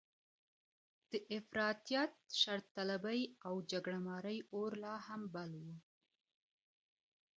د افراطیت، شرطلبۍ او جګړه مارۍ اور لا هم بل و.